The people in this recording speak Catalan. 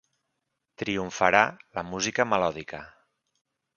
Triomfarà la música melòdica.